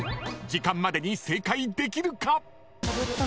［時間までに正解できるか？］